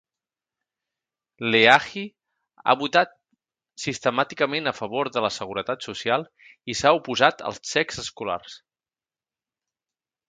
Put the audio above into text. Leahy ha votat sistemàticament a favor de la Seguretat Social i s'ha oposat als xecs escolars.